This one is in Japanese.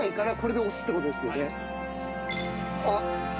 あっ。